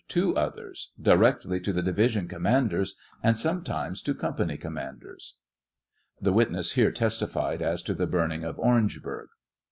To others ; directly to the division commanders, and sometimes to company commanders; (The witness here testified as to the burning of Orangeburg.)